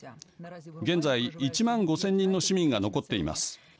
現在１万５０００人の市民が残っています。